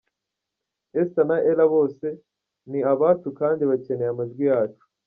Esther na Ellah bose ni abacu kandi bakeneye amajwi yacu”.